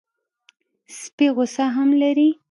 سپي غصه هم لري.